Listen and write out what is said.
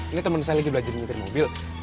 ini temen saya lagi belajar ngintir mobil